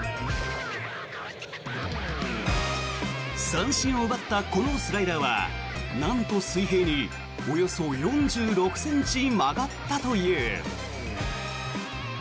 三振を奪ったこのスライダーはなんと水平におよそ４６ｃｍ曲がったという。